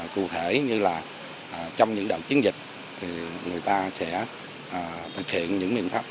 cụ thể như là trong những đợt chiến dịch thì người ta sẽ thực hiện những miệng pháp